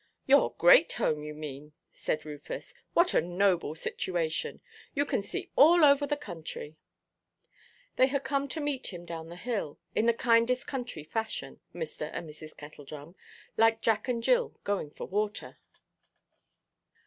"Your great home, you mean," said Rufus; "what a noble situation! You can see all over the county." They had come to meet him down the hill, in the kindest country fashion, Mr. and Mrs. Kettledrum, like Jack and Jill going for water.